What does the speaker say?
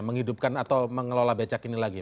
menghidupkan atau mengelola becak ini lagi